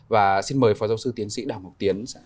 và xin mời phó giáo sư tiến sĩ đào ngọc tiến